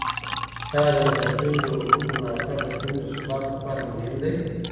آیا د لږکیو د حقوقو ملاتړ د ټولني د ثبات لپاره مهم دی؟